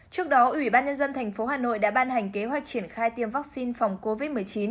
trước đó ủy ban nhân dân tp hà nội đã ban hành kế hoạch triển khai tiêm vaccine phòng covid một mươi chín